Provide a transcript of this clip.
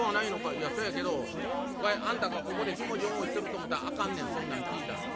「いやそやけどわいあんたがここでひもじい思いしてると思たらあかんねんそんなん聞いたら。